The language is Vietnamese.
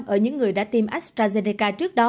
ở những người đã tiêm astrazeneca